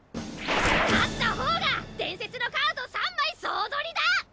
勝ったほうが伝説のカード３枚総取りだ！